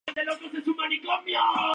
Murió un tripulante y hubo tres heridos.